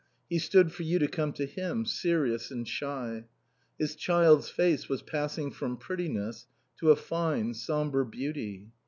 He stood for you to come to him, serious and shy. His child's face was passing from prettiness to a fine, sombre beauty.